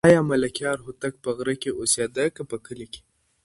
آیا ملکیار هوتک په غره کې اوسېده که په کلي کې؟